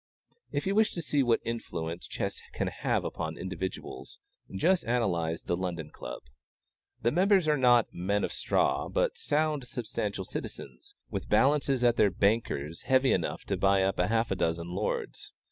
If you wish to see what influence chess can have upon individuals, just analyze the London Club. The members are not "men of straw," but sound, substantial citizens, with balances at their bankers heavy enough to buy up half a dozen lords.